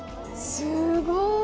すごい。